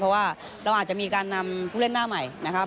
เพราะว่าเราอาจจะมีการนำผู้เล่นหน้าใหม่นะครับ